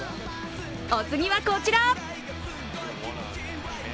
お次はこちら。